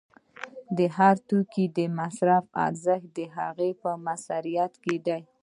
د هر توکي د مصرف ارزښت د هغه په موثریت کې دی